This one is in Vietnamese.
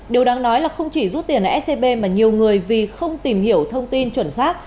điều đáng nói là không chỉ rút tiền scb mà nhiều người vì không tìm hiểu thông tin chuẩn xác